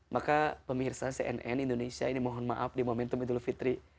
maka pemirsa cnn indonesia ini mohon maaf di momentum idul fitri